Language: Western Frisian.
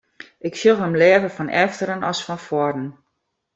Ik sjoch him leaver fan efteren as fan foaren.